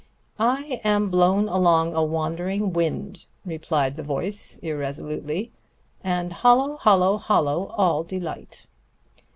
"I am blown along a wandering wind," replied the voice irresolutely, "and hollow, hollow, hollow all delight."